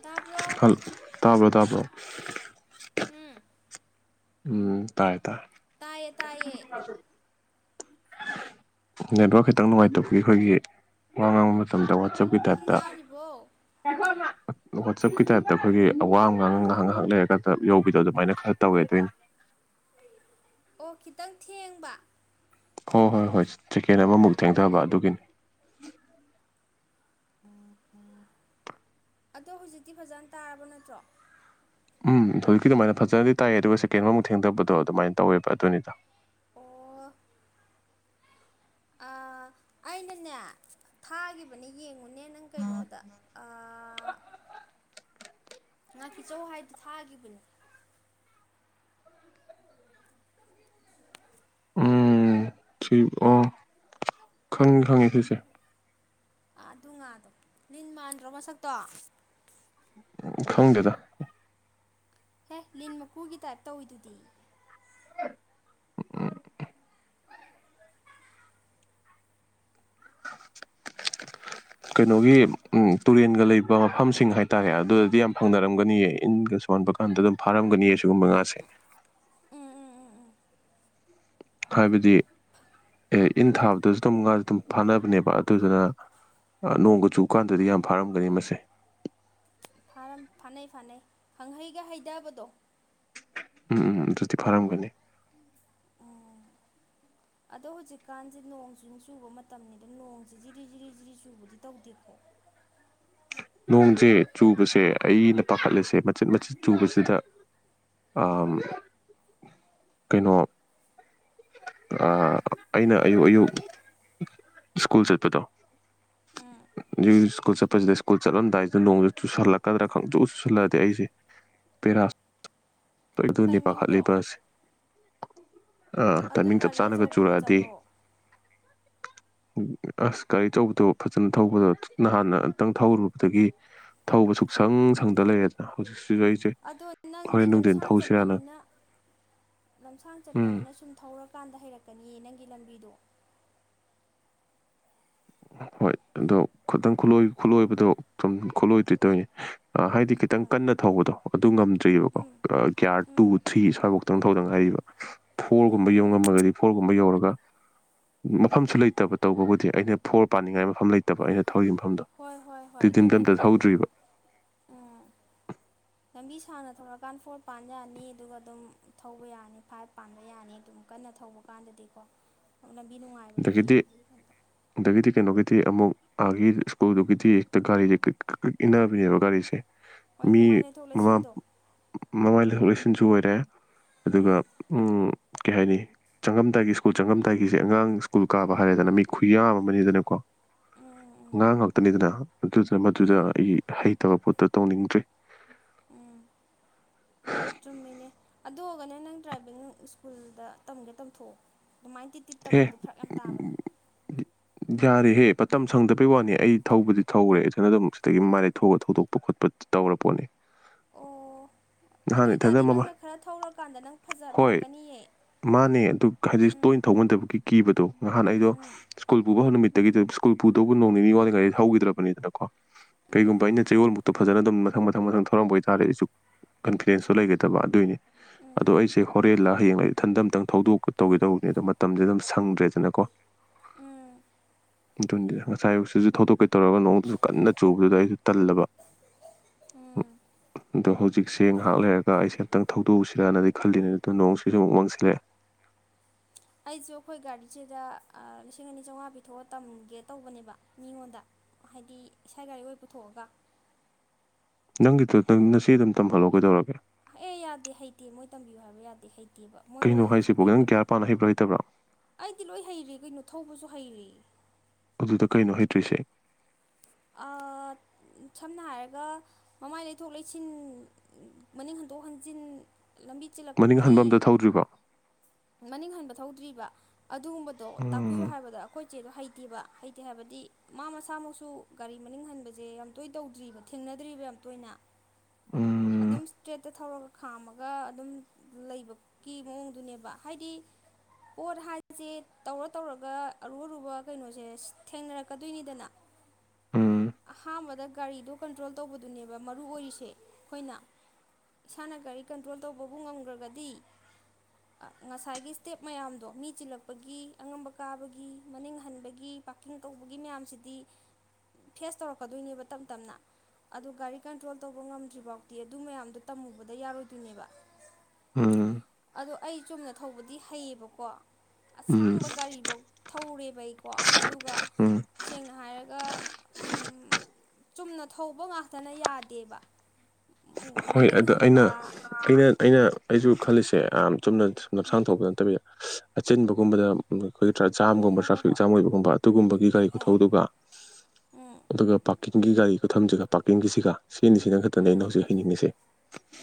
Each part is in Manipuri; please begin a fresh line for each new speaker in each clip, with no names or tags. ꯇꯥꯕ꯭ꯔꯣ
ꯈꯜ ꯇꯥꯕ꯭ꯔꯣ ꯇꯥꯗ꯭ꯔꯣ
ꯍꯨꯡ
ꯎꯝ ꯇꯥꯔꯦ ꯇꯥꯔꯦ
ꯇꯥꯏꯌꯦ
ꯅꯦꯠꯋꯥꯛ ꯈꯤꯇꯪ ꯅꯨꯡꯉꯥꯏꯇꯕꯒꯤ ꯑꯩꯈꯣꯏꯒꯤ ꯋꯥ ꯉꯥꯡꯕ ꯃꯇꯝꯗ ꯋꯥꯆꯞ
ꯇꯥꯔꯤꯕꯣ
ꯋꯥꯆꯞꯀꯤ ꯇꯥꯏꯞꯇ ꯑꯩꯈꯣꯏꯒꯤ ꯑ ꯋꯥ ꯑꯝ ꯉꯥꯡꯉ ꯉꯥꯏꯍꯥꯛ ꯉꯥꯏꯍꯥꯛ ꯂꯩꯔꯒ ꯌꯧꯕꯤꯗꯣ ꯑꯗꯨꯃꯥꯏꯅ ꯈꯔ ꯇꯧꯋꯦ ꯑꯗꯩꯅꯤ
ꯑꯣ ꯈꯤꯇꯪ ꯊꯦꯡꯕ
ꯍꯣ ꯍꯣꯏ ꯍꯣꯏ ꯁꯦꯀꯦꯟ ꯑꯃꯃꯨꯛ ꯊꯦꯡꯊꯕ ꯑꯗꯨꯒꯤꯅꯤ
ꯑꯗꯣ ꯍꯨꯖꯤꯛꯇꯤ ꯐꯖꯟꯅ ꯇꯔꯕ ꯅꯠꯇ꯭ꯔꯣ
ꯎꯝ ꯍꯧꯖꯤꯛꯀꯤ ꯑꯗꯨꯃꯥꯏꯅ ꯐꯖꯅꯗꯤ ꯇꯥꯏꯌꯦ ꯑꯗꯨꯒ ꯁꯦꯀꯦꯟ ꯑꯃ ꯃꯨꯛ ꯊꯦꯡꯗꯕꯗꯣ ꯑꯗꯨꯃꯥꯏꯅ ꯇꯧꯋꯦꯕ ꯑꯗꯨꯅꯤꯗ
ꯑꯣ ꯑꯥ ꯑꯩꯅꯅꯦ ꯊꯥꯒꯤꯕꯅꯦ ꯌꯦꯡ ꯉꯨꯅꯦ ꯅꯪ ꯀꯩꯅꯣꯗ ꯑꯥ ꯉꯥꯀꯤꯆꯧ ꯍꯥꯏꯗꯨ ꯊꯥꯈꯤꯕꯅꯦ
ꯎꯝ ꯆꯨ ꯑꯣ ꯈꯪꯉꯤ ꯈꯪꯉꯤ ꯁꯤꯁꯦ
ꯑꯥ ꯗꯨ ꯉꯥꯗꯣ ꯂꯤꯟ ꯃꯥꯟꯗ꯭ꯔꯣ ꯃꯁꯛꯇꯣ
ꯎꯝ ꯈꯪꯗꯦꯗ
ꯍꯦ ꯂꯤꯟ ꯃꯀꯨꯒꯤ ꯇꯥꯏꯞ ꯇꯧꯋꯤꯗꯨꯗꯤ
[inaudible] ꯀꯩꯅꯣꯒꯤ ꯎꯝ ꯇꯨꯔꯦꯟꯒ ꯂꯩꯕ ꯃꯐꯝꯁꯤꯡ ꯍꯥꯏꯇꯥꯔꯦ ꯑꯗꯨꯗꯗꯤ ꯌꯥꯝ ꯐꯪꯅꯔꯝꯒꯅꯤꯌꯦ ꯏꯟꯒ ꯁꯣꯟ ꯕ ꯀꯥꯟꯗ ꯑꯗꯨꯝ ꯐꯥꯔꯝꯒꯅꯤꯌꯦ ꯑꯁꯤꯒꯨꯝꯕ ꯉꯥꯁꯦ
ꯎꯝ ꯎꯝ ꯎꯝ ꯎꯝ
ꯍꯥꯏꯕꯗꯤ ꯑꯦ ꯏꯟ ꯊꯥꯕꯗꯁꯨ ꯑꯗꯨꯝ ꯉꯥꯥꯁꯦ ꯗꯨꯝ ꯐꯥꯅꯕꯅꯦꯕ ꯑꯗꯨꯗꯨꯅ ꯑꯥ ꯅꯣꯡꯒ ꯆꯨꯀꯥꯟꯗꯗꯤ ꯌꯥꯝ ꯐꯥꯔꯝꯒꯅꯤ ꯃꯁꯦ
ꯐꯔꯝ ꯐꯥꯅꯩ ꯐꯥꯅꯩ ꯈꯪꯍꯩꯒ ꯍꯩꯗꯕꯗꯣ
ꯎꯝ ꯎꯝ ꯑꯗꯨꯗꯤ ꯐꯥꯔꯝꯒꯅꯤ
ꯑꯗꯣ ꯍꯧꯖꯤꯛꯀꯥꯟꯁꯦ ꯅꯣꯡꯁꯤꯡ ꯆꯨꯕ ꯃꯇꯝꯅꯤ ꯑꯗ ꯅꯣꯡꯁꯤ ꯖꯤꯔꯤ ꯖꯤꯔꯤ ꯖꯤꯔꯤ ꯆꯨꯕꯗꯤ ꯇꯧꯗꯦꯀꯣ
[inaudible] ꯅꯣꯡꯁꯦ ꯆꯨꯕꯁꯦ ꯑꯩꯅ ꯄꯥꯈꯠꯂꯤꯁꯦ ꯃꯆꯤꯠ ꯃꯆꯤꯠ ꯆꯨꯕꯁꯤꯗ ꯑꯥꯝ ꯀꯩꯅꯣ ꯑꯥ ꯑꯩꯅ ꯑꯌꯨꯛ ꯑꯌꯨꯛ ꯁ꯭ꯀꯨꯜ ꯆꯠꯄꯗꯣ
ꯎꯝ
[inaudible] ꯍꯨꯖꯤꯛ ꯖꯤꯛ ꯁ꯭ꯀꯨꯜ ꯆꯠꯄꯁꯤꯗ ꯁ꯭ꯀꯨꯜ ꯆꯠꯂꯝꯗꯥꯏꯁꯤꯗ ꯅꯣꯡꯁꯨ ꯆꯨꯁꯜꯂꯛꯀꯗ꯭ꯔ ꯈꯪꯆꯨ ꯆꯨꯁꯜꯂꯛꯑꯗꯤ ꯑꯩꯁꯦ ꯄꯦꯔꯥ [unintelligible]
ꯇꯥꯏꯃꯤꯡꯗꯣ
ꯄꯥꯈꯠꯂꯤꯕ ꯁꯦ ꯑꯥ
ꯑꯗꯨ
ꯇꯥꯏꯃꯤꯡ ꯆꯞ
ꯒꯥꯔꯤ
ꯆꯥꯅꯒ
ꯑꯆꯧꯕꯗ
ꯆꯨꯔꯛꯑꯗꯤ
ꯆꯠꯂꯣ
ꯑꯁ ꯒꯥꯔꯤ ꯑꯆꯧꯕꯗꯣ ꯐꯖꯟ ꯊꯧꯕꯗꯣ ꯇ꯭ꯔꯤꯛ ꯅꯥꯟꯅ ꯑꯝꯇꯪ ꯊꯧꯔꯨꯕꯗꯒꯤ ꯊꯧꯕ ꯁꯨꯨꯛꯁꯪ ꯁꯪꯗ ꯂꯩꯔꯦꯗꯅ ꯍꯧꯖꯤꯛꯁꯤꯁꯨ ꯑꯩꯁꯦ ꯍꯣꯔꯦꯟ ꯅꯨꯡꯊꯤꯟ
ꯅꯪ
ꯊꯧꯁꯤꯔꯥꯅ
ꯆꯠꯄꯅꯤꯅ ꯂꯝꯁꯥꯡ
ꯎꯝ
ꯆꯠꯄꯅꯤꯅ ꯁꯨꯝ ꯊꯧꯔꯀꯥꯟꯗ ꯍꯩꯔꯛꯀꯅꯤꯌꯦ ꯅꯪꯒꯤ ꯂꯝꯕꯤꯗꯣ
ꯍꯣꯏ ꯑꯗꯣ ꯈꯇꯪ ꯈꯨꯂꯣꯏ ꯈꯨꯠꯂꯣꯏꯕꯗꯣ ꯁꯨꯝ ꯈꯨꯠꯂꯣꯏꯗ꯭ꯔꯤ ꯇꯣꯏꯅꯦ ꯍꯥꯏꯗꯤ ꯈꯤꯇꯪ
ꯍꯣꯏ
ꯀꯟꯅ ꯊꯧꯕꯗꯣ ꯑꯗꯨ ꯉꯝꯗ꯭ꯔꯤꯕꯀꯣ
ꯎꯝ
ꯒ꯭ꯌꯥꯔ ꯇꯨ
ꯎꯝ
ꯊ꯭ꯔꯤ ꯁ꯭ꯋꯥꯏꯐꯧꯇꯪ ꯊꯧꯗ ꯉꯥꯏ ꯍꯥꯏꯔꯤꯕ ꯐꯣꯔꯒꯨꯝꯕ ꯌꯧ
ꯎꯝ
ꯉꯝꯃꯒꯗꯤ ꯐꯣꯔꯒꯨꯝꯕ ꯌꯧꯔꯒ ꯃꯐꯝꯁꯨ ꯂꯩꯇꯕ ꯇꯧꯕꯕꯨꯗꯤ ꯑꯩꯅ ꯐꯣꯔ ꯄꯥꯅꯤꯡꯉꯥꯏ ꯃꯐꯝ ꯂꯩꯇꯕ ꯑꯩꯅ ꯊꯧꯔꯤ ꯃꯐꯝꯗꯣ
ꯍꯣꯏ ꯍꯣꯏ ꯍꯣꯏ
ꯑꯗꯨꯗꯤ ꯑꯝꯇ
ꯑꯗꯨꯅꯅꯤꯗꯅ
ꯊꯧꯗ꯭ꯔꯤꯕ
ꯑ ꯑꯅꯤꯁ ꯁꯥꯡꯅ ꯊꯧꯔꯀꯥꯟ ꯐꯣꯔ ꯄꯥꯟꯕ ꯌꯥꯅꯤ ꯑꯗꯨꯒ ꯑꯗꯨꯝ ꯊꯧꯕ ꯌꯥꯅꯤ ꯐꯥꯏꯚ ꯄꯥꯟꯕ ꯌꯥꯅꯤ ꯑꯗꯨꯝ ꯀꯟꯅ ꯊꯧꯕ ꯃꯄꯥꯟꯗꯗꯤꯀꯣ
ꯑꯗꯒꯤꯗꯤ ꯑꯗꯒꯤꯗꯤ ꯀꯩꯅꯣꯒꯤ ꯗꯤ ꯑꯃꯨꯛ ꯑꯥꯒꯤ ꯁ꯭ꯀꯨꯜꯗꯨꯒꯤꯗꯤ ꯍꯦꯛꯇ ꯒꯥꯔꯤꯁꯦ ꯀ꯭ꯔꯤꯛ ꯀ꯭ꯔꯤꯛ ꯏꯟꯅꯕꯤꯅꯦꯕ ꯒꯥꯔꯤꯁꯦ
ꯍꯣꯏ
ꯃꯤ
ꯃꯃꯥꯏ ꯂꯩꯊꯣꯛ
ꯃꯃ
ꯂꯩꯁꯤꯟꯗꯣ
ꯃꯃꯥꯏ ꯂꯩꯊꯣꯛ ꯂꯩꯁꯤꯅꯁꯨ ꯑꯣꯏꯔꯦ ꯑꯗꯨꯒ ꯎꯝ ꯀꯩ ꯍꯥꯏꯅꯤ ꯆꯪꯉꯝꯗꯥꯏꯒꯤ ꯁ꯭ꯀꯨꯜ ꯆꯪꯉꯝꯗꯥꯏꯒꯤꯁꯦ ꯑꯉꯥꯡ ꯁ꯭ꯀꯨꯜ ꯀꯥꯕ ꯍꯥꯏꯔꯦꯗꯅ ꯃꯤ ꯈꯨꯌꯥꯝ ꯑꯃꯅꯤꯗꯅꯀꯣ
ꯎꯝ
ꯑꯉꯥꯡ ꯉꯛꯇꯅꯤꯗꯅ ꯑꯗꯨꯗꯨꯅ ꯃꯗꯨꯗ ꯑꯩ ꯍꯩꯇꯕ ꯈꯣꯠꯇ ꯇꯧꯅꯤꯡꯗ꯭ꯔꯦ [inaudible]
ꯎꯝ ꯎꯝ ꯆꯨꯝꯃꯤꯅꯦ ꯑꯗꯨ ꯑꯣꯔꯒꯅ ꯅꯪ ꯗ꯭ꯔꯥꯏꯚꯤꯡ ꯁ꯭ꯀꯨꯜꯗ ꯇꯝꯒꯦ ꯇꯝꯊꯣꯛꯑꯣ ꯑꯗꯨꯃꯥꯏꯅ ꯇꯤꯠ ꯇꯤꯠ
ꯍꯦ
ꯇꯝꯕꯗꯣ ꯐꯔꯛ ꯌꯥꯝ ꯇꯥꯕꯅꯤ
ꯌꯥꯔꯦꯍꯦ ꯃꯇꯝ ꯁꯪꯗꯕꯩ ꯋꯥꯅꯤ ꯑꯩ ꯊꯧꯕꯗꯤ ꯊꯧꯋꯦ ꯏꯊꯟꯗ ꯑꯗꯨꯝ ꯁꯤꯗꯒꯤ ꯃꯥꯏ ꯂꯩꯊꯣꯛꯑꯒ ꯊꯧꯗꯣꯛꯄ ꯈꯣꯠꯄ ꯇꯧꯔ ꯄꯣꯠꯅꯤ
ꯑꯣ ꯑꯗꯨ
ꯅꯍꯥꯟ ꯏꯊꯟꯗ
ꯑꯣꯏꯇꯥꯔꯗꯤ
ꯃꯃꯥ
ꯅꯪꯅ ꯈꯔ ꯊꯧꯔꯀꯥꯟꯗ ꯅꯪ ꯐꯖ
ꯍꯣꯏ
ꯐꯔꯛꯀꯅꯤꯌꯦ
ꯃꯥꯅꯦ ꯑꯗꯨ ꯍꯥꯏꯗꯤ
ꯎꯝ
ꯇꯣꯏꯅ ꯊꯧꯃꯟꯗꯕꯒꯤ ꯀꯤꯕꯗꯣ ꯅꯍꯥꯟ ꯑꯩꯗꯣ ꯁ꯭ꯀꯨꯜ ꯄꯨꯕ ꯍꯧ ꯅꯨꯃꯤꯠ ꯑꯗꯒꯤꯗꯤ ꯁ꯭ꯀꯨꯜ ꯄꯨꯗꯧꯕ ꯅꯣꯡ ꯅꯤꯅꯤ ꯋꯥꯠꯂꯤꯉꯥꯏꯗ ꯊꯧꯒꯤꯗ꯭ꯔꯕꯅꯤꯗꯅꯀꯣ
ꯎꯝ
ꯀꯩꯒꯨꯝꯕ ꯑꯩꯅ ꯆꯌꯣꯜꯃꯨꯛꯇ ꯐꯖꯅ ꯑꯗꯨꯝ ꯃꯊꯪ ꯃꯊꯪ ꯃꯊꯪ ꯊꯧꯔꯝꯕ ꯑꯣꯏꯇꯥꯥꯔꯗꯤ ꯑꯩꯁꯨ ꯀꯟꯐꯤꯗꯦꯟꯁꯇꯣ ꯂꯩꯒꯗꯕ ꯑꯗꯨꯏꯅꯦ ꯑꯗꯣ ꯑꯩꯁꯦ ꯍꯣꯔꯦꯟꯂꯥ ꯍꯌꯦꯡꯂ ꯏꯊꯟꯗ ꯑꯝꯇꯪ ꯊꯧꯗꯣꯛꯀ ꯇꯧꯒꯦꯗꯧꯕꯅꯤ ꯑꯗꯣ ꯃꯇꯝꯁꯦ ꯑꯗꯨꯝ ꯁꯪꯗ꯭ꯔꯦꯗꯅꯀꯣ
ꯎꯝ
ꯑꯗꯨꯅꯤꯗ ꯉꯁꯥꯏꯌꯁꯤꯁꯨ ꯊꯧꯗꯣꯛꯀꯦ ꯇꯧꯔꯒ ꯅꯣꯡꯗꯨꯁꯨ ꯀꯟꯅ ꯆꯨꯕꯗꯨꯗ ꯑꯩꯁꯨ ꯇꯜꯂꯕ ꯑꯗꯣ ꯍꯧꯖꯤꯛ ꯆꯦꯡ ꯉꯍꯥꯛ ꯂꯩꯔꯒ ꯑꯩꯁꯦ ꯑꯝꯇꯪ ꯊꯧꯗꯣꯛꯎꯁꯤꯔꯅꯗꯤ ꯈꯜꯂꯤꯅꯤ ꯑꯗꯨꯅ ꯅꯣꯡꯁꯤꯁꯨ ꯑꯃꯨꯛ ꯃꯪꯁꯤꯜꯂꯛꯑꯦ [inaudible]
ꯑꯩꯁꯨ ꯑꯩꯈꯣꯏ ꯒꯥꯔꯤꯁꯤꯗ ꯑ ꯂꯤꯁꯤꯡ ꯑꯅꯤ ꯆꯥꯝꯃꯉꯥ ꯄꯤꯊꯣꯛꯑ ꯇꯝꯒꯦ ꯇꯧꯕꯅꯦꯕ ꯃꯤꯉꯣꯟꯗ ꯍꯥꯏꯗꯤ ꯏꯁꯥꯏ ꯒꯔꯤ ꯑꯣꯏꯅ ꯄꯨꯊꯣꯛꯑꯒ
ꯅꯪꯒꯤꯗꯣ ꯅꯪ ꯅꯆꯦ ꯑꯗꯨꯝ ꯇꯝꯍꯜꯂꯣ ꯀꯩꯗꯧꯔꯒꯦ
ꯑꯦ ꯌꯥꯗꯦ ꯍꯩꯇꯦ ꯃꯣꯏ ꯇꯝꯕꯤꯌꯨ ꯍꯥꯏꯕ ꯌꯥꯗꯦ ꯍꯩꯇꯦ ꯃꯣꯏ ꯑꯣꯏ
ꯀꯩꯅꯣ ꯍꯥꯏꯁꯤꯕꯣ
ꯍꯩꯖꯗꯦꯕ
ꯅꯪ ꯒ꯭ꯌꯥꯔ ꯄꯥꯟꯅ ꯍꯩꯕ꯭ꯔꯣ ꯍꯩꯇꯕ꯭ꯔꯣ?
ꯑꯩꯗꯤ ꯂꯣꯏ ꯍꯩꯔꯦ ꯀꯩꯅꯣ ꯊꯧꯕꯁꯨ ꯐꯩꯌꯦ
ꯑꯗꯨꯗ ꯀꯩꯅꯣ ꯍꯩꯇ꯭ꯔꯤꯁꯦ
ꯑꯥ ꯁꯝꯅ ꯍꯥꯏꯔꯒ ꯃꯃꯥꯏ ꯂꯩꯊꯣꯛ ꯂꯩꯁꯤꯟ ꯃꯅꯤꯡ ꯍꯟꯗꯣꯛ ꯍꯟꯖꯤꯟ ꯂꯝꯕꯤ
ꯃꯅꯤꯡ
ꯆꯦꯜꯂꯛꯄꯒꯤ
ꯍꯟꯕ ꯑꯝꯇ ꯊꯧꯗ꯭ꯔꯤꯕꯣ
ꯃꯅꯤꯡ ꯍꯟꯕ ꯊꯧꯗ꯭ꯔꯤꯕ ꯑꯗꯨꯒꯨꯝꯕꯗꯣ ꯇꯥꯛꯄꯤꯌꯨ
ꯎꯝ
ꯍꯥꯏꯕꯗ ꯑꯩꯈꯣꯏ ꯑꯈꯣꯢ ꯆꯦꯗꯣ ꯍꯩꯇꯦꯕ ꯍꯩꯇꯦ ꯍꯥꯏꯕꯗꯤ ꯃꯥ ꯃꯁꯥꯃꯛꯁꯨ ꯒꯥꯔꯤ ꯃꯅꯤꯡ ꯍꯟꯕꯁꯦ ꯌꯥꯝ ꯇꯣꯏ ꯇꯧꯗ꯭ꯔꯤꯕ ꯊꯦꯡꯅ ꯗ꯭ꯔꯤꯕ ꯌꯥꯝ ꯇꯣꯏꯅ ꯑꯗꯨꯝ
ꯎꯝ
ꯏꯁꯇ꯭ꯔꯦꯠꯇ ꯊꯧꯔꯒ ꯈꯥꯝꯃꯒ ꯑꯗꯨꯝ ꯂꯩꯕꯒꯤ ꯃꯑꯣꯡꯗꯨꯅꯦꯕ ꯍꯥꯏꯗꯤ ꯄꯣꯠ ꯍꯥꯏꯕꯁꯤ ꯇꯧꯔ ꯇꯧꯔꯒ ꯑꯔꯨ ꯑꯔꯨꯕ ꯀꯩꯅꯣꯁꯦ ꯊꯦꯡꯅꯔꯛꯀꯗꯨꯏꯅꯤꯗꯅ
[inaudible]
ꯑꯍꯥꯟꯕꯗ ꯒꯥꯔꯤꯗꯣ ꯀꯟꯇ꯭ꯔꯣꯜ ꯇꯧꯕꯗꯨꯅꯦꯕ ꯃꯔꯨ ꯑꯣꯏꯔꯤꯁꯦ ꯑꯩꯈꯣꯏꯅ ꯏꯁꯥꯅ ꯒꯥꯔꯤ ꯀꯟꯇ꯭ꯔꯣꯜ ꯇꯧꯕꯕꯨ ꯉꯝꯒ꯭ꯔꯒꯗꯤ ꯉꯁꯥꯏꯒꯤ ꯁ꯭ꯇꯦꯞ ꯃꯌꯥꯝꯗꯣ ꯃꯤ ꯆꯤꯜꯂꯛꯄꯒꯤ ꯑꯉꯝꯕ ꯀꯥꯕꯒꯤ ꯃꯅꯤꯡ ꯍꯟꯕꯒꯤ ꯄꯥꯛꯀꯤꯡ ꯇꯧꯕꯒꯤ ꯃꯌꯥꯝꯁꯤꯗꯤ ꯐꯦꯁ ꯇꯧꯔꯛꯀꯗꯨꯏꯅꯦꯕ ꯇꯞ ꯇꯞꯅ ꯑꯗꯨ ꯒꯥꯔꯤ ꯀꯟꯇ꯭ꯔꯣꯜ ꯇꯧꯕ ꯉꯝꯗ꯭ꯔꯤ ꯐꯥꯎꯗꯤ ꯑꯗꯨ ꯃꯌꯥꯝꯗꯣ ꯇꯝꯃꯨꯕꯗ ꯌꯥꯔꯣꯏꯗꯨꯏꯅꯦꯕ
ꯎꯝ
ꯑꯩ ꯆꯨꯝꯅ ꯊꯧꯕꯗꯤ ꯍꯩꯌꯦꯕꯀꯣ
ꯎꯝ
ꯑꯁꯥꯡꯕ ꯒꯥꯔꯤꯕꯧ ꯊꯧꯔꯦꯕ ꯑꯩꯀꯣ ꯑꯗꯨꯒ
ꯎꯝ
ꯁꯦꯡꯅ ꯍꯥꯏꯔ ꯒ ꯆꯨꯝꯅ ꯊꯧꯕ ꯉꯥꯛꯇꯅ ꯌꯥꯗꯦꯕ
ꯍꯣꯏ
ꯃꯅꯤꯡ
ꯑꯗ ꯑꯩꯅ
ꯍꯟꯕ
ꯑꯩꯅ ꯑꯩꯅ ꯑꯩꯁꯨ ꯈꯜꯂꯤꯁꯦ ꯌꯥꯝ ꯆꯨꯝꯅ ꯂꯝꯁꯥꯡ ꯊꯧꯕ ꯅꯠꯇꯕꯤꯗ ꯑꯆꯤꯟꯕꯒꯨꯝꯕꯗ ꯈꯣꯏꯒꯤ ꯇ꯭ꯔ
ꯍꯣ ꯍꯣ
ꯖꯥꯝꯒꯨꯝꯕ
ꯍꯣ
ꯇ꯭ꯔꯥꯐꯤꯛ
ꯍꯣꯏ
ꯖꯥꯝ ꯑꯣꯏꯕꯒꯨꯝꯕ ꯑꯗꯨꯒꯨꯝꯕꯒꯤ ꯒꯥꯔꯤ
ꯑꯣ
ꯈꯨꯊꯧꯗꯨꯒ
ꯎꯝ
ꯑꯗꯨꯒ ꯄꯥ꯭ꯔꯛꯀꯤꯡ ꯒꯤ ꯒꯥꯔꯤ ꯈꯨꯊꯝꯁꯤꯒ ꯄꯥ꯭ꯔꯛꯀꯤꯡꯒꯤꯁꯤꯒ ꯁꯤꯅꯤ ꯁꯤ ꯈꯛꯇꯅꯦ
ꯎꯝ
ꯑꯩꯅ ꯍꯧꯖꯤꯛ ꯍꯩꯅꯤꯡꯉꯤꯁꯦ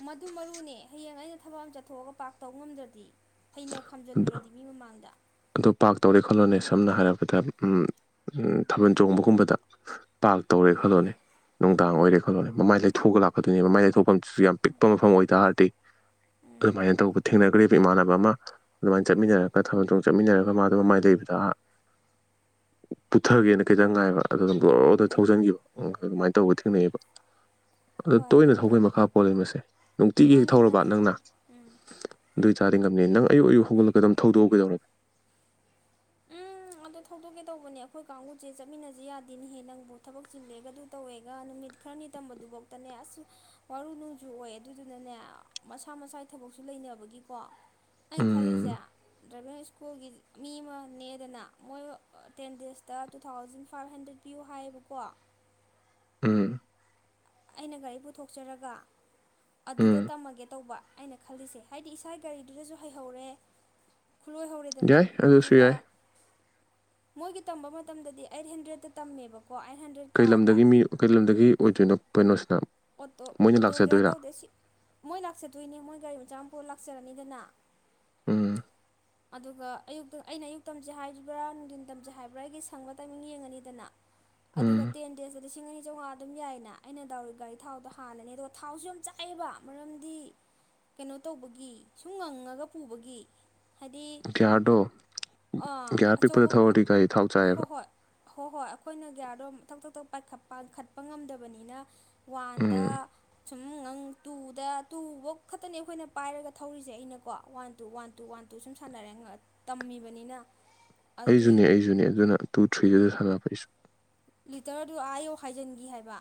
ꯃꯗꯨ ꯃꯔꯨꯅꯦ ꯍꯌꯦꯡ ꯑꯩꯅ ꯊꯕꯛ ꯑꯃ ꯆꯠꯊꯣꯛꯑꯒ ꯄꯥ꯭ꯔꯛ ꯇꯧ ꯉꯝꯗ꯭ꯔꯗꯤ ꯐꯩꯅ ꯈꯥꯝꯖꯤꯜꯂꯨꯔꯗꯤ ꯃꯤ ꯃꯃꯥꯡꯗ
ꯄꯥꯛ ꯇꯧꯔꯦ ꯈꯜꯂꯣꯅꯦ ꯁꯝꯅ ꯍꯥꯏꯔꯕꯗ ꯎꯝ ꯊꯥꯕꯜ ꯆꯣꯡꯕꯒꯨꯝꯕꯗ ꯄꯥꯛ ꯇꯧꯔꯦ
ꯎꯝ
ꯈꯜꯂꯣꯅꯦ ꯅꯨꯡꯗꯥꯡ ꯑꯣꯏꯔꯦ ꯈꯜꯂꯣꯅꯦ ꯃꯃꯥꯏ ꯂꯩꯊꯣꯛꯒ ꯂꯥꯛꯀꯗꯣꯏꯅꯤ ꯃꯃꯥꯏ ꯂꯩꯊꯣꯛ ꯐꯝꯁꯤꯁꯨ ꯌꯥꯝ ꯄꯤꯛꯄ ꯃꯐꯝ ꯑꯣꯏꯇꯥꯔꯗꯤ
ꯎꯝ
ꯑꯗꯨꯃꯥꯏꯅ ꯇꯧꯕ ꯊꯦꯡꯅꯒ꯭ꯔꯦꯕ ꯏꯃꯥꯟꯅꯕ ꯑꯃ ꯑꯗꯨꯃꯥꯏꯅ
ꯎꯝ
ꯆꯠꯃꯤꯟꯅꯔꯒ ꯊꯥꯕꯜ ꯆꯣꯡ ꯆꯠꯃꯤꯟꯅꯔꯒ ꯃꯥꯗꯣ ꯃꯃꯥꯏ ꯂꯩꯕꯗ ꯑ ꯄꯨꯊꯒꯦꯅ ꯈꯤꯇꯪ ꯉꯥꯏꯕ ꯑꯗꯨꯗ ꯕ꯭ꯔꯣꯗ ꯊꯧꯖꯟꯈꯤꯕ ꯑꯗꯨꯃꯥꯏꯅ ꯇꯧꯕ ꯊꯦꯡꯅꯩꯌꯦꯕ ꯑꯗ
ꯍꯣꯏ
ꯇꯣꯏꯅ
ꯑꯗꯣ
ꯊꯧꯕꯩ ꯃꯈꯥ ꯄꯣꯜꯂꯦ ꯃꯁꯦ ꯅꯨꯡꯇꯤꯒꯤ ꯍꯦꯛ
ꯃꯥꯅꯦ
ꯊꯧꯔꯕ
ꯃꯥꯅꯦ
ꯅꯪꯅ
ꯎꯝ
ꯑꯗꯨꯏ ꯇꯥꯔꯗꯤ ꯉꯝꯅꯤ ꯅꯪ ꯑꯌꯨꯛ ꯑꯌꯨꯛ ꯍꯧꯒꯠꯂꯛꯒ ꯑꯗꯨꯝ ꯊꯧꯗꯣꯛꯎ ꯀꯩꯗꯧꯔ
ꯎꯝ ꯑꯗꯣ ꯊꯧꯗꯣꯛꯀꯦ ꯇꯧꯕꯅꯦ ꯑꯩꯈꯣꯏ ꯀꯥꯡꯕꯨꯁꯦ ꯆꯠꯃꯤꯟꯅꯁꯦ ꯌꯥꯗꯦꯅꯦꯍꯦ ꯅꯪꯕꯨ ꯊꯕꯛ ꯆꯤꯜꯂꯦꯒ ꯑꯗꯨ ꯇꯧꯋꯦꯒ ꯅꯨꯃꯤꯠ ꯈꯔꯅꯤ ꯇꯝꯕꯗꯨꯕꯧꯇꯅꯦ ꯑꯁ ꯋꯥꯔꯨ ꯅꯣꯡꯖꯨ ꯑꯣꯏ ꯑꯗꯨꯗꯨꯅꯅꯦ ꯃꯁꯥ ꯃꯁꯥꯒꯤ ꯊꯕꯛ ꯁꯨ ꯂꯩꯅꯕꯒꯤꯀꯣ ꯑꯩꯅ
ꯎꯝ
ꯈꯜꯂꯤꯁꯦ ꯗ꯭ꯔꯥꯏꯚꯤꯡ ꯁ꯭ꯀꯨꯜꯒꯤ ꯃꯤ ꯑꯃ ꯅꯦꯛꯑꯦꯗꯅ ꯃꯣꯏ ꯇꯦꯟ ꯗꯦꯖꯇ ꯇꯨ ꯊꯥꯎꯖꯟ ꯐꯥꯏꯚ ꯍꯟꯗ꯭ꯔꯦꯠ ꯄꯤꯌꯨ ꯍꯥꯏꯌꯦꯕꯀꯣ
ꯎꯝ
ꯑꯩꯅ ꯒꯥꯔꯤ ꯄꯨꯊꯣꯛꯆꯔꯒ ꯑꯗꯨꯗ
ꯎꯝ
ꯇꯝꯃꯒꯦ ꯇꯧꯕ ꯑꯩꯅ ꯈꯜꯂꯤꯁꯦ ꯍꯥꯏꯗꯤ ꯏꯁꯥꯒꯤ ꯒꯥꯔꯤꯗꯨꯗꯁꯨ ꯍꯩꯍꯧꯔꯦ ꯈꯨꯂꯣꯏꯍꯧꯔꯦꯗꯅ
ꯌꯥꯏ ꯑꯗꯨꯁꯨ
ꯑꯗꯨꯒ
ꯌꯥꯏ
ꯃꯣꯏꯒꯤ ꯇꯝꯕ ꯃꯇꯝꯗꯗꯤ ꯑꯩꯠ ꯍꯟꯗ꯭ꯔꯦꯠꯇ ꯇꯝꯃꯦꯕ
ꯀꯩ ꯂꯝꯗꯒꯤ ꯃꯤ ꯀꯩ ꯂꯝꯗꯒꯤ ꯑꯣꯏꯗꯣꯏꯅꯣ ꯀꯩꯅꯣꯁ
ꯑꯣꯇꯣ ꯑꯣꯇꯣ ꯒ꯭ꯌꯥꯔ ꯇꯧꯗꯦ ꯁꯤ ꯃꯣꯏ ꯂꯥꯛꯆꯗꯣꯏꯅꯦ ꯃꯣꯏ ꯒꯥꯔꯤ ꯃꯆꯥ ꯑꯝ ꯀꯣ ꯂꯥꯛꯆꯔꯅꯤꯗꯅ
[inaudible]
ꯑꯗꯨꯒ ꯑꯌꯨꯛꯇ ꯑꯩꯅ ꯑꯌꯨꯛ ꯇꯝꯁꯦ ꯍꯥꯏꯕ꯭ꯔ ꯅꯨꯡꯗꯤꯟ ꯇꯝꯁꯦ ꯍꯥꯏꯕ꯭ꯔ ꯑꯩꯒꯤ ꯁꯪꯕ ꯇꯥꯏꯃꯤꯡ ꯌꯦꯡꯉꯅꯤꯗꯅ
ꯎꯝ
ꯑꯗꯨꯒ ꯇꯦꯟ ꯗꯦꯖꯇ ꯂꯤꯁꯤꯡ ꯑꯅꯤ ꯆꯧꯉꯥ ꯑꯗꯨꯝ ꯌꯥꯏꯅ ꯑꯩꯅ ꯗꯥꯎꯒꯤ ꯒꯥꯔꯤ ꯊꯥꯎꯗ ꯍꯥꯜꯂꯅꯤ ꯑꯗꯨꯒ ꯊꯥꯎꯁꯨ ꯌꯥꯝ ꯆꯥꯏꯌꯦꯕ ꯃꯔꯝꯗꯤ ꯀꯩꯅꯣ ꯇꯧꯕꯒꯤ ꯁꯨꯝ ꯉꯪꯉꯒ ꯄꯨꯕꯒꯤ ꯍꯥꯏꯗꯤ
ꯒ꯭ꯌꯥꯔꯗꯣ ꯒ꯭ꯌꯥꯔ ꯑꯄꯤꯛꯄꯗ ꯊꯧꯔꯗꯤ ꯒꯥꯔꯤ ꯊꯥꯎ
ꯍꯣ
ꯆꯥꯏꯌꯦꯕ
ꯍꯣꯏ ꯍꯣ ꯍꯣꯏ ꯑꯩꯈꯣꯏꯅ ꯒ꯭ꯌꯥꯔꯗꯣ ꯇꯛ ꯇꯛ ꯇꯧ ꯄꯥꯟꯈꯠꯄ ꯉꯝꯗꯕꯅꯤꯅ ꯋꯥꯟꯗ
ꯎꯝ
ꯁꯨꯝ ꯉꯪ ꯇꯨꯗ ꯇꯨꯕꯧ ꯈꯛꯇꯅꯦ ꯑꯩꯈꯣꯏꯅ ꯄꯥꯏꯔꯒ ꯊꯧꯔꯤꯁꯦ ꯑꯩꯅꯀꯣ one two one two one ꯗꯨ ꯁꯨꯝ ꯁꯥꯟꯅꯔꯦ ꯇꯝꯃꯤꯕꯅꯤꯅ ꯑꯗꯨꯗꯤ
ꯑꯩꯖꯨꯅꯦ ꯑꯩꯖꯨꯅꯦ ꯑꯗꯨꯅ ꯇꯨ ꯊ꯭ꯔꯤꯗ ꯁꯥꯟꯅꯕ ꯑꯩꯁꯨ
ꯂꯤꯇꯔꯗꯨ ꯑꯥ ꯌꯧ ꯍꯥꯏꯖꯟꯈꯤ ꯍꯥꯏꯕ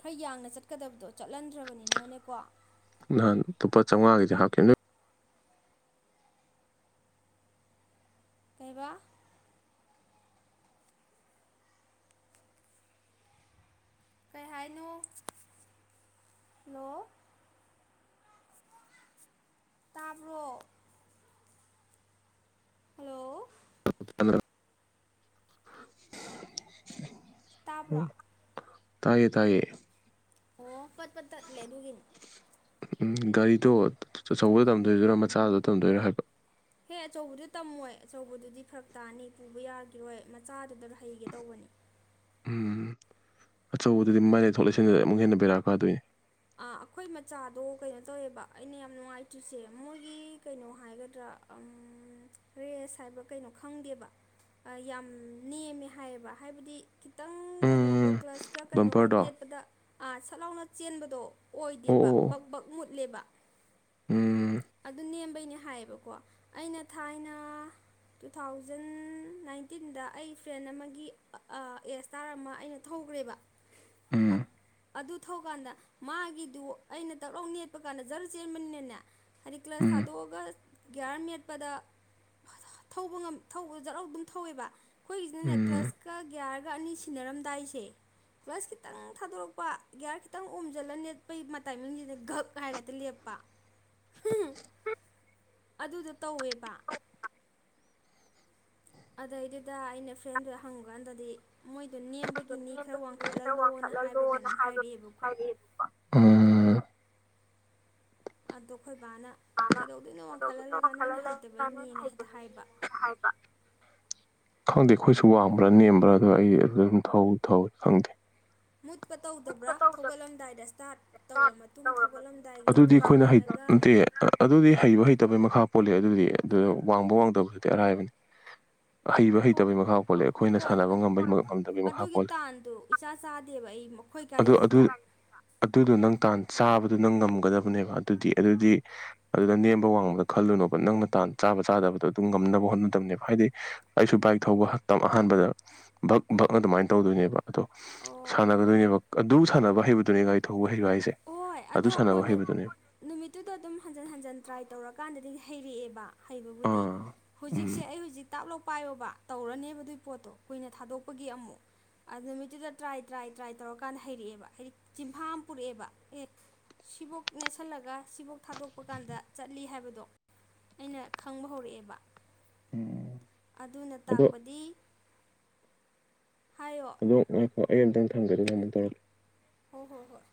ꯈꯔ ꯌꯥꯡꯅ ꯆꯠꯀꯗꯕꯗꯣ ꯆꯠꯍꯟꯗ꯭ꯔꯕꯅꯤꯅꯀꯣ
ꯅꯍꯥꯟ ꯂꯨꯄꯥ ꯆꯧꯉꯥꯒꯤꯗꯤ ꯍꯥꯞꯈꯤꯅ
ꯀꯩꯕ ꯀꯩ ꯍꯥꯏꯅꯣ ꯍꯜꯂꯣ ꯇꯥꯕ꯭ꯔꯣ ꯍꯜꯂꯣ ꯇꯥꯕ꯭ꯔꯣ
ꯇꯥꯏꯌꯦ ꯇꯥꯏꯌꯦ
ꯑꯣ ꯄꯠ ꯄꯠ ꯇꯠꯂꯦ ꯑꯗꯨꯒꯤꯅꯤ
ꯎꯝ ꯒꯥꯔꯤꯗꯣ ꯑ ꯆꯧꯕꯗ ꯇꯝꯗꯣꯏꯔꯣ ꯃꯆꯥꯗꯨꯗ ꯇꯝꯗꯣꯏꯔ ꯍꯥꯏꯕ
ꯍꯦ ꯑꯆꯧꯕꯗꯨ ꯇꯝꯃꯣꯏ ꯑꯆꯧꯕꯗꯨꯗꯤ ꯐꯔꯛ ꯇꯥꯅꯤ ꯄꯨꯕ ꯌꯥꯒꯤꯔꯣꯏ ꯃꯆꯥꯗꯨꯗ ꯍꯩꯒꯦ ꯇꯧꯕꯅꯤ
ꯎꯝ ꯑꯆꯧꯕꯗꯨꯗꯤ ꯃꯥꯏ ꯂꯩꯊꯣꯛ ꯂꯩꯁꯤꯜꯗꯨꯗ ꯑꯃꯨꯛ ꯍꯦꯟꯅ ꯕꯦꯔꯥ ꯀꯥꯗꯣꯏꯅꯦ
ꯑꯥ
[inaudible]
ꯑꯩꯈꯣꯏ ꯃꯆꯥꯗꯣ ꯀꯩꯅꯣ ꯇꯧꯋꯦꯕ ꯑꯩꯅ ꯌꯥꯝ ꯅꯨꯡꯉꯥꯏꯇ꯭ꯔꯤꯁꯦ ꯃꯣꯏꯒꯤ ꯀꯩꯅꯣ ꯍꯥꯏꯒꯗ꯭ꯔꯥ ꯑꯝ ꯔꯦꯁ ꯍꯥꯏꯕ꯭ꯔ ꯀꯩꯅꯣ ꯈꯪꯗꯦꯕ ꯑ ꯌꯥꯝ ꯅꯦꯝꯃꯦ ꯍꯥꯏꯌꯦꯕ ꯍꯥꯏꯕꯗꯤ ꯈꯤꯇꯪ ꯀꯩꯅꯣꯒ
ꯎꯝ
ꯀ꯭ꯂꯁ ꯀ ꯀꯩꯅꯣꯒ
ꯕꯝꯄꯔꯗꯣ ꯑꯣ
ꯅꯦꯠꯄꯗ ꯑ ꯁꯠ ꯂꯥꯎꯅ ꯆꯦꯟꯕ
ꯑꯣ
ꯑꯣꯏꯗꯦꯕ
ꯑꯣ
ꯕꯛ ꯕꯛ ꯃꯨꯠꯂꯦꯕ
ꯎꯝ
ꯑꯗꯨ ꯅꯦꯝꯕꯩꯅꯦ ꯍꯥꯏꯌꯦꯕꯀꯣ ꯑꯩꯅ ꯊꯥꯏꯅ ꯇꯨ ꯊꯥꯎꯖꯟ ꯅꯥꯏꯟꯇꯤꯟꯗ ꯑꯩ ꯐ꯭ꯔꯦꯟ ꯑꯃꯒꯤ ꯑ ꯑꯦ ꯁ꯭ꯇꯥꯥꯔ ꯑꯃ ꯑꯩꯅ ꯊꯧ ꯔꯦꯕ ꯑ
ꯎꯝ
ꯑꯗꯨ ꯊꯧꯀꯥꯟꯗ ꯃꯥꯒꯤꯗꯨ ꯑꯩꯅ ꯗꯛꯂꯥꯎ ꯅꯦꯠꯄ ꯀꯥꯟꯗ ꯖꯔ ꯆꯦꯟꯕꯅꯤꯅꯅꯦ ꯍꯥꯏꯗꯤ ꯀ꯭ꯂꯁ
ꯎꯝ
ꯊꯥꯗꯣꯛꯑꯒ ꯒ꯭ꯌꯥꯔ ꯅꯦꯠꯄꯗ ꯊꯧꯕ ꯉꯝ ꯊꯧꯕ ꯖꯠ ꯂꯥꯎ ꯑꯗꯨꯝ ꯊꯧꯋꯦꯕ ꯈꯣꯏꯒꯤꯁꯤꯅꯅꯦ
ꯎꯝ
ꯀ꯭ꯂꯁ ꯀ ꯒ꯭ꯌꯥꯔ ꯒ ꯑꯅꯤ ꯁꯤꯟꯅꯔꯝꯗꯥꯏꯁꯦ ꯀ꯭ꯂꯁ ꯈꯤꯇꯪ ꯊꯥꯗꯣꯔꯛꯄ ꯒ꯭ꯌꯥꯔ ꯈꯤꯇꯪ ꯑꯣꯝꯖꯜꯂ ꯅꯦꯠꯄꯩ ꯃ ꯇꯥꯏꯃꯤꯡꯁꯤꯗ ꯘꯛ ꯍꯥꯏꯔꯒ ꯍꯦꯛꯇ ꯂꯦꯞꯄ [unintelligible] ꯑꯗꯨꯗꯣ ꯇꯧꯋꯦꯕ ꯑꯗꯩꯗꯨꯗ ꯑꯩꯅ ꯐ꯭ꯔꯦꯟꯗꯨꯗ ꯍꯪꯕꯀꯥꯟꯗꯗꯤ ꯃꯣꯏꯗꯨ ꯅꯦꯝꯕꯒꯤꯅꯤ ꯈꯔ ꯋꯥꯡꯈꯠꯍꯜꯂꯣ
ꯂꯣꯅ ꯅ ꯍꯥꯏꯕ ꯀꯩꯅꯣꯝ ꯍꯥꯏꯔꯛꯑꯦꯕꯀꯣ [unintelligible]
ꯑꯗꯣ ꯑꯩꯈꯣꯏ ꯕꯥꯅ ꯀꯩꯗꯧꯗꯣꯏꯅꯣ ꯋꯥꯡꯈꯠꯍꯜꯂꯒ ꯅꯣꯏꯅ ꯍꯩꯇꯕꯩꯅꯦꯅ ꯍꯦꯛꯇ ꯍꯥꯏꯕ
ꯍꯥꯏꯕ ꯈꯪꯗꯦ ꯑꯩꯈꯣꯏꯁꯨ ꯋꯥꯡꯕ꯭ꯔꯥ ꯅꯦꯝꯕ꯭ꯔꯥ ꯑꯗꯣ ꯑꯩ ꯑꯗ ꯑꯗꯨꯝ ꯊꯧ ꯊꯧꯋꯤ ꯈꯪꯗꯦ
ꯃꯨꯠꯄ ꯇꯧꯗꯕ꯭ꯔꯥ ꯊꯧꯒꯠꯂꯝꯗꯥꯏꯗ ꯁ꯭ꯇꯥꯔꯠ ꯇꯧꯔꯕ ꯃꯇꯨꯡ ꯊꯧꯒꯠꯂꯝꯗꯥꯏꯒꯤ
ꯑꯗꯨꯗꯤ
ꯀ꯭ꯂꯁ
ꯑꯩꯈꯣꯏꯅ ꯍꯩ
ꯅꯦꯠꯂꯒ
ꯅꯠꯇꯦ ꯑꯗꯨꯗꯤ ꯍꯩꯕ ꯍꯩꯇꯕꯩ ꯃꯈꯥ ꯄꯣꯜꯂꯦ ꯑꯗꯨꯗꯤ ꯑꯗꯨ ꯋꯥꯡꯕ ꯋꯥꯡꯗꯕꯗꯨꯗꯤ ꯑꯔꯥꯏꯕꯅꯤ ꯍꯩꯕ
ꯍꯣ
ꯍꯩꯇꯕꯩ ꯃꯈꯥ ꯄꯣꯜꯂꯦ ꯑꯩꯈꯣꯏꯅ
ꯍꯣꯏ
ꯁꯥꯟꯅꯕ ꯉꯝꯕꯩ ꯉꯝꯗꯕꯩ ꯃꯈꯥ ꯄꯣꯜꯂꯦ
ꯃ ꯑꯩꯈꯣꯏ
ꯑꯗꯨ ꯑꯗꯨ
ꯒꯥꯔꯤꯁꯤꯗ
ꯑꯗꯨꯗꯣ ꯅꯪ ꯇꯥꯟ ꯆꯥꯕꯗꯨ ꯅꯪ ꯉꯝꯒꯗꯕꯅꯦꯕ ꯑꯗꯨꯗꯤ ꯑꯗꯨꯗꯤ ꯑꯗꯨꯗ ꯅꯦꯝꯕ ꯋꯥꯡꯕꯗ ꯈꯜꯂꯨꯅꯣꯕ ꯅꯪꯅ ꯇꯥꯟ ꯆꯥꯕ ꯆꯥꯗꯕ ꯗ ꯗꯨ ꯉꯝꯅꯕ ꯍꯣꯠꯅꯗꯝꯅꯦꯕ ꯍꯥꯏꯗꯤ ꯑꯩꯁꯨ ꯕꯥꯏꯛ ꯊꯧꯕ ꯇꯝꯕ ꯑꯍꯥꯟꯕꯗ ꯚꯛ ꯚꯛ ꯑꯗꯨꯃꯥꯏꯅ ꯇꯧꯗꯣꯏꯅꯦꯕ ꯑꯗꯣ
ꯑꯣ
ꯁꯥꯟꯅꯒꯗꯣꯏꯅꯦꯕ ꯑꯗꯨ ꯁꯥꯟꯅꯕ ꯍꯩꯕꯗꯨꯅꯦ ꯒꯥꯔꯤ ꯊꯧꯕ ꯍꯩꯕ ꯍꯥꯏꯁꯦ
ꯍꯣꯏ
ꯑꯗꯨ
ꯑꯗꯣ
ꯁꯥꯟꯅꯕ
ꯀꯣꯟꯅ
ꯍꯩꯕꯗꯨꯅꯦꯕ
ꯅꯨꯃꯤꯠꯇꯨꯗ ꯑꯗꯨꯝ ꯍꯟꯖꯟ ꯍꯟꯖꯟ ꯇ꯭ꯔꯥꯏ ꯇꯧꯔꯀꯥꯟꯗꯗꯤ ꯍꯩꯔꯛꯑꯦꯕ ꯍꯩꯕꯕꯨꯗꯤ
ꯑꯥ ꯎꯝ
ꯍꯨꯖꯤꯛꯁꯦ ꯑꯩ ꯍꯨꯖꯤꯛ ꯇꯥꯞꯂꯧ ꯄꯥꯏꯌꯣꯕ ꯇꯧꯔꯅꯤꯕ ꯑꯗꯨꯏ ꯄꯣꯠꯇꯣ ꯀꯨꯏꯅ ꯊꯥꯗꯣꯛꯄꯒꯤ ꯑꯃꯨꯛ ꯑ ꯅꯨꯃꯤꯠꯇꯨꯗ ꯇ꯭ꯔꯥꯏ ꯇ꯭ꯔꯥꯏ ꯇ꯭ꯔꯥꯏ ꯇꯧꯔꯀꯥꯟꯗ ꯍꯩꯔꯛꯑꯦꯕ ꯍꯩ ꯆꯤꯝꯐꯥ ꯑꯃ ꯄꯨꯔꯛꯑꯦꯕ ꯑꯦ ꯁꯤꯕꯣꯛ ꯅꯦꯠꯁꯜꯂꯒ ꯁꯤꯕꯣꯛ ꯊꯥꯗꯣꯛꯄ ꯀꯥꯟꯗ ꯆꯠꯂꯤ ꯍꯥꯏꯕꯗꯣ ꯑꯩꯅ ꯈꯪꯕ ꯍꯧꯔꯛꯑꯦꯕ
ꯎꯝ
ꯑꯗꯨꯅ
ꯑꯗꯣ
ꯇꯥꯛꯄꯗꯤ ꯍꯥꯏꯌꯣ
ꯑꯗꯣ ꯉꯥꯏꯈꯣ ꯑꯩ ꯑꯝꯇꯪ ꯊꯝꯒꯦ ꯑꯗꯨꯒ ꯑꯃꯨꯛ ꯇꯧꯔꯛꯀꯦ
ꯍꯣ ꯍꯣ ꯍꯣꯏ